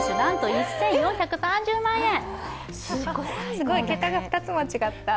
すごい、桁が２つも違った。